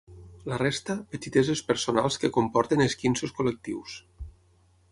La resta, petiteses personals que comporten esquinços col·lectius.